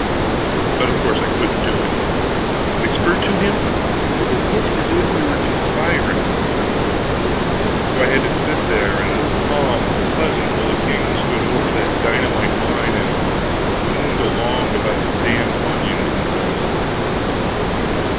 But of course I couldn't do it. Whisper to him? It would look as if we were conspiring. So I had to sit there and look calm and pleasant while the king stood over that dynamite mine and mooned along about his damned onions and things.